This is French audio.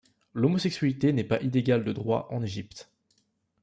L'homosexualité n'est pas illégale de droit en Égypte.